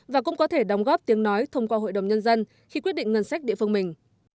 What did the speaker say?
và cũng có thể đóng góp tiếng nói thông qua hội đồng nhân dân khi quyết định ngân sách địa phương mình